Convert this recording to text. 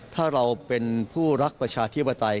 ถ้าเราเป็นผู้รักประชาธิปไตย